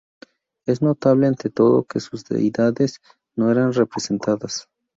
Es notable, ante todo, que sus deidades no eran representadas.